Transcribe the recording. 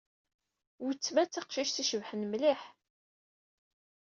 Wettma d taqcict icebḥen mliḥ.